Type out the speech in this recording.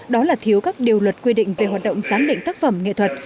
đó là thiếu các điều luật quy định về hoạt động giám định tác phẩm nghệ thuật